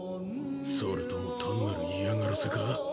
それとも単なる嫌がらせか。